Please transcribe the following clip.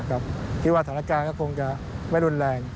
คิดว่าสถานการณ์ก็คงจะไม่รุนแรง